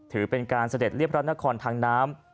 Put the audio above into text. ถือเป็นการเสด็จเรียบพระนครทางน้ำ